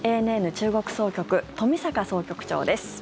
ＡＮＮ中国総局冨坂総局長です。